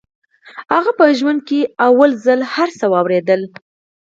هغه په ژوند کې لومړي ځل هر څه واورېدل.